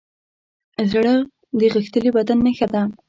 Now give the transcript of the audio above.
زړه د غښتلي بدن نښه ده.